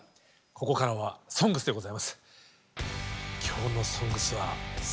ここからは「ＳＯＮＧＳ」でございます。